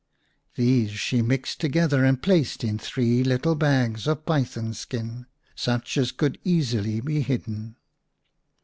These she mixed together and placed in three little bags of python skin, such as could easily be hidden.